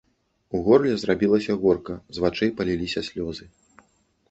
У горле зрабілася горка, з вачэй паліліся слёзы.